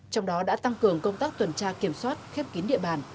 trong đó đã tăng cường công tác tuần tra kiểm soát khép kín địa bàn